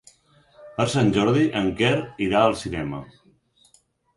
Per Sant Jordi en Quer irà al cinema.